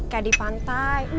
kayak di pantai